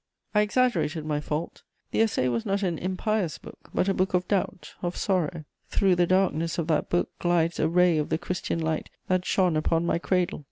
* I exaggerated my fault: the Essai was not an impious book, but a book of doubt, of sorrow. Through the darkness of that book glides a ray of the Christian light that shone upon my cradle.